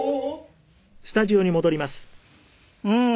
うん。